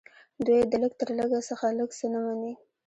دوی د لږ تر لږه څخه لږ څه نه مني